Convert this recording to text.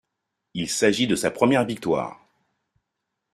Il s'agit de sa première victoire.